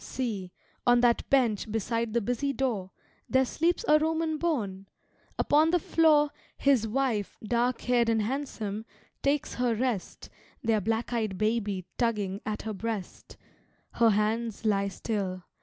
See on that bench beside the busy door There sleeps a Roman born: upon the floor His wife, dark haired and handsome, takes her rest, Their black eyed baby tugging at her breast. Her hands lie still.